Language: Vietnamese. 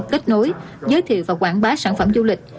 kết nối giới thiệu và quảng bá sản phẩm du lịch